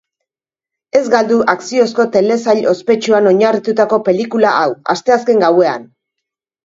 Ez galdu akziozko telesail ospetsuan oinarritutako pelikula hau, asteazken gauean.